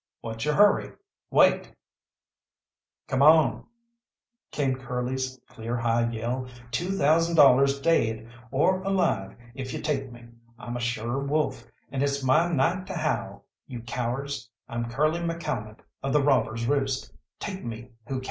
What's your hurry? Wait!" "Come on!" came Curly's clear high yell. "Two thousand dollars daid or alive if you take me! I'm a sure wolf, and it's my night to howl, you cowards! I'm Curly McCalmont of the Robbers' Roost! Take me who can!"